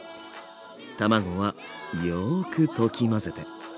卵はよく溶き混ぜて。